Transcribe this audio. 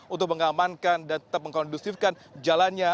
untuk mengamankan dan tetap mengkondusifkan jalannya